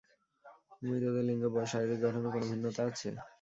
মৃতদের লিঙ্গ, বয়স, শারীরিক গঠনে কোনও ভিন্নতা আছে?